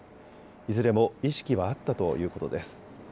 いずれも意識はあったということです。